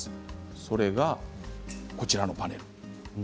それが、こちらのパネル。